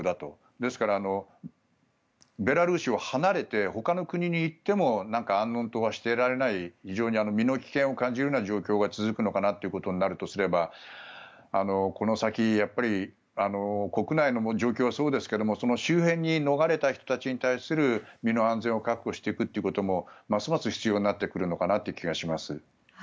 ですから、ベラルーシを離れてほかの国に行っても安穏とはしていられない非常に身の危険を感じるような状況が続くのかなとなるとすればこの先、国内の状況はそうですけれどその周辺に逃れた人たちに対する身の安全を確保していくということもますます必要になってくるのかなという気がします。